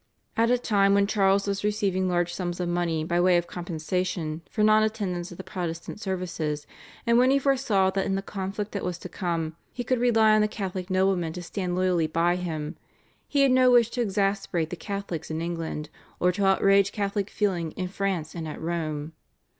At a time when Charles was receiving large sums of money by way of compensation for non attendance at the Protestant services, and when he foresaw that in the conflict that was to come he could rely on the Catholic noblemen to stand loyally by him, he had no wish to exasperate the Catholics in England, or to outrage Catholic feeling in France and at Rome.